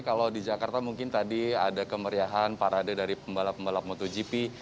kalau di jakarta mungkin tadi ada kemeriahan parade dari pembalap pembalap motogp